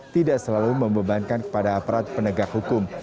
tidak selalu membebankan kepada aparat penegak hukum